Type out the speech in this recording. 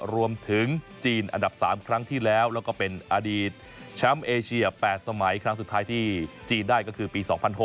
รวมถึงจีนอันดับ๓ครั้งที่แล้วแล้วก็เป็นอดีตแชมป์เอเชีย๘สมัยครั้งสุดท้ายที่จีนได้ก็คือปี๒๐๐๖